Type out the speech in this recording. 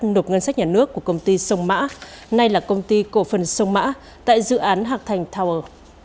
nộp ngân sách nhà nước của công ty sông mã nay là công ty cổ phần sông mã tại dự án hạc thành tower